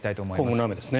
今後の雨ですね。